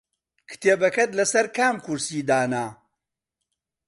کتێبەکەت لەسەر کام کورسی دانا؟